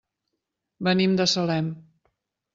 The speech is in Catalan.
Venim de Salem.